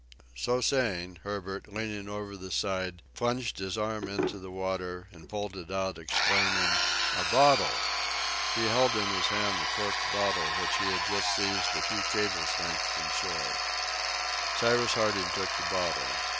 So saying, Herbert, leaning over the side, plunged his arm into the water, and pulled it out, exclaiming, "A bottle!" He held in his hand a corked bottle which he had just seized a few cables' length from the shore. Cyrus Harding took the bottle.